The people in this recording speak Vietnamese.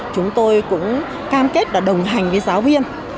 chúng tôi cũng cam kết là đồng hành với giáo viên